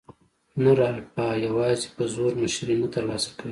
نر الفا یواځې په زور مشري نه تر لاسه کوي.